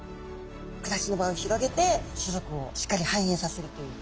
暮らしの場を広げて種族をしっかりはんえいさせるという。